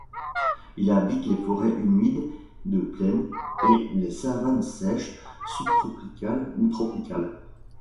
Il habite les forêts humides de plaines et les savanes sèches subtropicales ou tropicales.